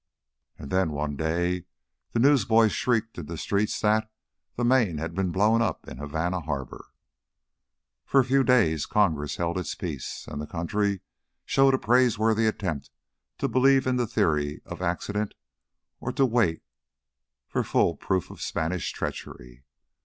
And then one day the newsboys shrieked in the streets that the Maine had been blown up in Havana Harbor. For a few days Congress held its peace, and the country showed a praiseworthy attempt to believe in the theory of accident or to wait for full proof of Spanish treachery.